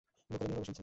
লোকেরা নীরবে শুনছে।